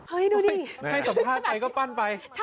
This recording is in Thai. เฮ้ยดูดิแบบนั้นแหละครับให้สมภาษณ์ไปก็ปั้นไป